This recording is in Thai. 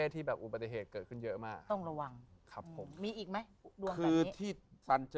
มีอีกไหม